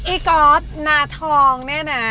อิ๊ก๊อธนาทองเนี่ยนะ